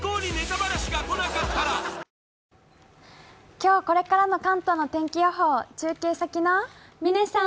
今日これからの関東の天気予報、中継先の嶺さん。